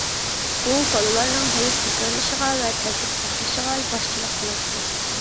ئۇ بالىلارنىڭ دەرس تەكرارلىشىغا ۋە تەرتىپ ساقلىشىغا باشچىلىق قىلاتتى.